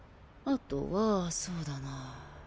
あとはそうだな。